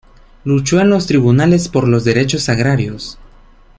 Luchó en los tribunales por los derechos agrarios.